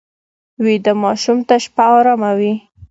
ویده ماشوم ته شپه ارامه وي